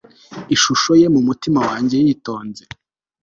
Ishusho ye mumutima wanjye yitonze